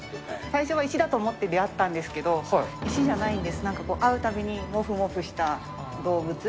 最初は石だと思って出会ったんですけど、石じゃないんです、なんかこう、会うたびにもふもふした動物？